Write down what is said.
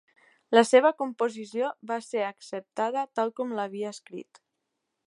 La seva composició va ser acceptada tal com l'havia escrit.